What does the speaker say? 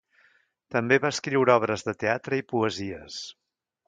També va escriure obres de teatre i poesies.